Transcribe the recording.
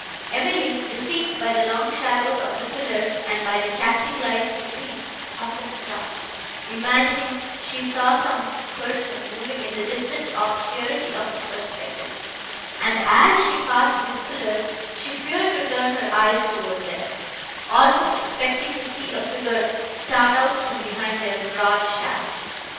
Emily, deceived by the long shadows of the pillars and by the catching lights between, often stopped, imagining she saw some person, moving in the distant obscurity of the perspective; and, as she passed these pillars, she feared to turn her eyes toward them, almost expecting to see a figure start out from behind their broad shaft.